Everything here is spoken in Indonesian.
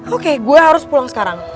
oke gue harus pulang sekarang